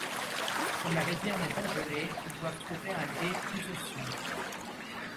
Comme la rivière n’est pas gelée, ils doivent trouver un gué plus au sud.